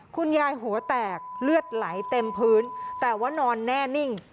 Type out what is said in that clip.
หัวแตกเลือดไหลเต็มพื้นแต่ว่านอนแน่นิ่ง